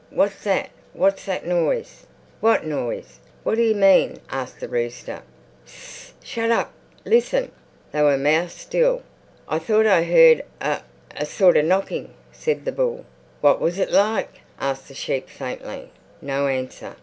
"What's that? What's that noise?" "What noise? What do you mean?" asked the rooster. "Ss! Shut up! Listen!" They were mouse still. "I thought I heard a—a sort of knocking," said the bull. "What was it like?" asked the sheep faintly. No answer.